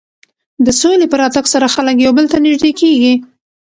د سولې په راتګ سره خلک یو بل ته نژدې کېږي.